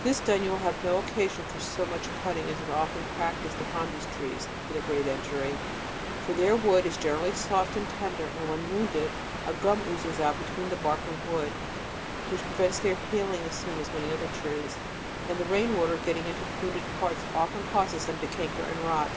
This done, you will have no occa* sion for so much cutting as is often practised on these trees, to their gre^at injury ; for their wood is generally soft and tender, and when wounded, a gum oozes out between the bark and wood, which prevents their healing as soon as many other trees, and the rain water getting into the wounded parts often causes them to canker and rot.